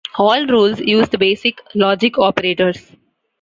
All rules use the basic logic operators.